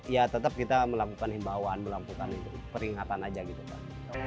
ya tetap kita melakukan himbauan melakukan peringatan aja gitu kan